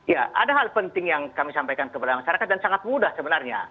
ya ada hal penting yang kami sampaikan kepada masyarakat dan sangat mudah sebenarnya